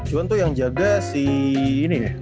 juan tuh yang jaga si ini ya